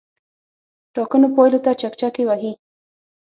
ټاکنو پایلو ته چکچکې وهي.